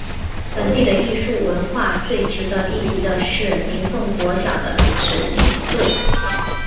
本地的艺术文化最值得一提的是林凤国小的扯铃队。